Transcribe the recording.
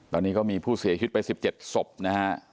ตอนนี้ก็มีผู้เสียชีวิตไป๑๗ศพนะฮะ